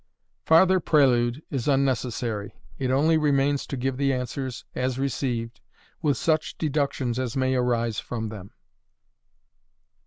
Farther prelude is unnecessary. It only remains to give the answers as received, with such deductions as may arise from them.